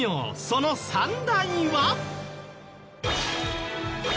その３大は。